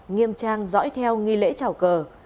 nghiêm trang dõi theo nghi lễ trào cờ